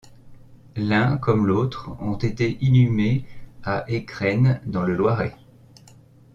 L'un comme l'autre ont été inhumés à Escrennes dans le Loiret.